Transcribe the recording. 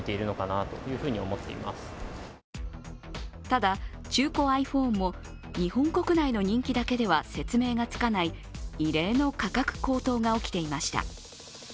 ただ、中古ｉＰｈｏｎｅも日本国内の人気だけでは説明がつかない異例の価格高騰が起きていました。